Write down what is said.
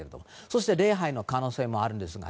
そして礼拝の可能性もあるんですが。